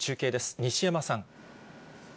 西山さん。